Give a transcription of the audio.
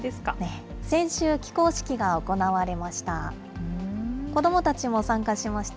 先週、起工式が行われました。